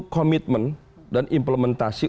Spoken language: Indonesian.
komitmen dan implementasi